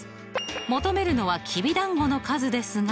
求めるのはきびだんごの数ですが。